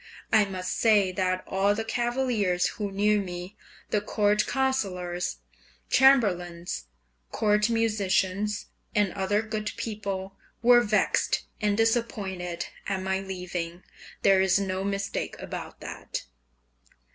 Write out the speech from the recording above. I must say that all the cavaliers who knew me, the court councillors, chamberlains, court musicians, and other good people, were vexed and disappointed at my leaving. There is no mistake about that.